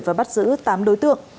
và bắt giữ tám đối tượng